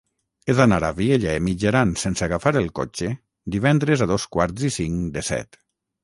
He d'anar a Vielha e Mijaran sense agafar el cotxe divendres a dos quarts i cinc de set.